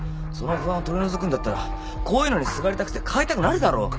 その不安を取り除くんだったらこういうのにすがりたくて買いたくなるだろ。